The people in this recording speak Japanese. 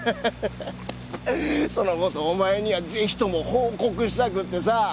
その事をお前にはぜひとも報告したくってさ。